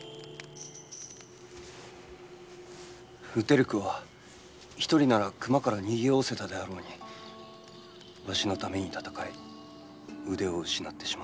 ウテルクは一人なら熊から逃げおおせたであろうにわしのために戦い腕を失ってしまった。